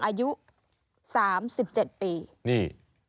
อายุ๓๗ปี